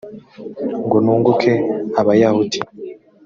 ngo nunguke abayahudi